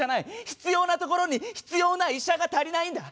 必要な所に必要な医者が足りないんだ！